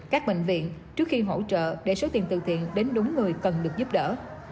các bệnh viện trước khi hỗ trợ để số tiền từ thiện đến đúng người cần được giúp đỡ